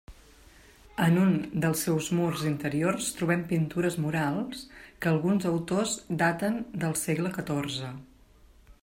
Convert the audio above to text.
En un dels seus murs interiors trobem pintures murals, que alguns autors daten del segle catorze.